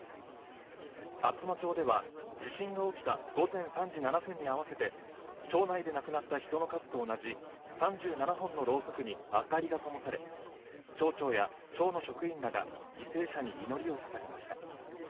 厚真町では地震が起きた午前３時７分に合わせて町内で亡くなった人の数と同じ３７本のろうそくに明かりがともされ町長や町の職員らが犠牲者に祈りを捧げました。